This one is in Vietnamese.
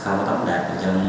không tóm đạt